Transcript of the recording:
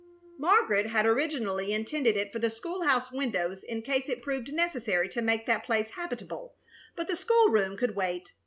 Margaret had originally intended it for the school house windows in case it proved necessary to make that place habitable, but the school room could wait.